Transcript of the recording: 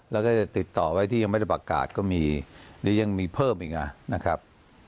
แล้วก็จะติดต่อไว้ที่ยังไม่ได้ประกาศก็มีหรือยังมีเพิ่มอีกนะครับ